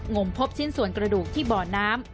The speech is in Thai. มพบชิ้นส่วนกระดูกที่บ่อน้ำ